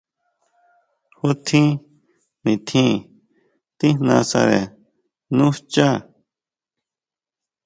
¿Ju tjín nitjín tíjnasare nú xchá?